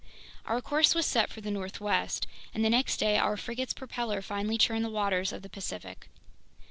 Our course was set for the northwest, and the next day our frigate's propeller finally churned the waters of the Pacific.